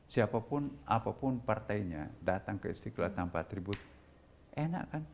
siapapun apapun partainya datang ke istiqlal tanpa atribut enak kan